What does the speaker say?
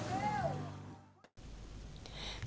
cảnh tác hữu cơ